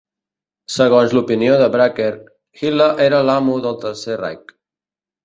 Segons l'opinió de Bracher, Hitler era l'"Amo del Tercer Reich".